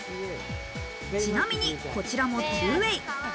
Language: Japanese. ちなみにこちらも２ＷＡＹ。